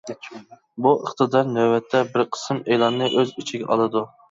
بۇ ئىقتىدار نۆۋەتتە بىر قىسىم ئېلاننى ئۆز ئىچىگە ئالىدۇ.